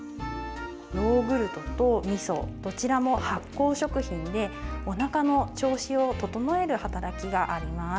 ヨーグルトと、みそどちらも発酵食品でおなかの調子を整える働きがあります。